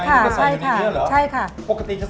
มันก็ใส่แบบนี้เนี่ยเหรอ